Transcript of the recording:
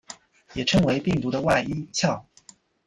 也称为病毒的外衣壳。